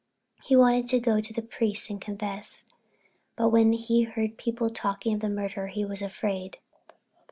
He wanted to go to the priest and confess, but when he heard people talking of the murder he was afraid.